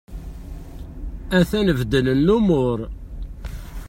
A-t-an beddlen lumur.